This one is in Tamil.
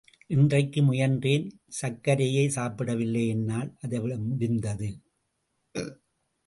இன்றைக்கு முயன்றேன் சக்கரையே சாப்பிடவில்லை என்னால் அதை விட முடிந்தது.